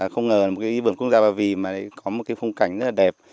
không ngờ là một cái vườn quốc gia ba vì mà có một cái phong cảnh rất là đẹp